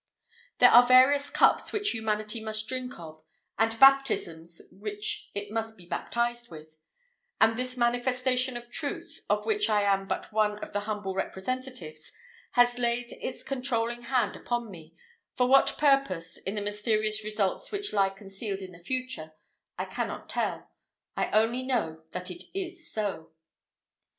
There are various cups which Humanity must drink of, and "baptisms which it must be baptized with," and this manifestation of Truth, of which I am but one of the humble representatives, has laid its controlling hand upon me; for what purpose, in the mysterious results which lie concealed in the future, I cannot tell I only know that it is so.